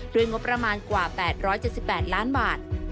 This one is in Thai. งบประมาณกว่า๘๗๘ล้านบาท